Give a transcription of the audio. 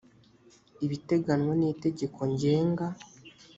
ibiteganywa n itegeko ngenga